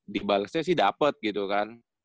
dibalasnya sih dapet gitu kan